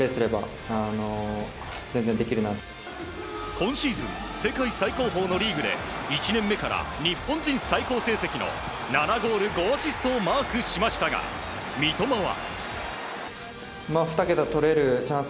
今シーズン世界最高峰のリーグで１年目から日本人最高成績の７ゴール５アシストをマークしましたが三笘は。